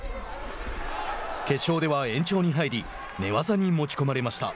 決勝では延長に入り寝技に持ち込まれました。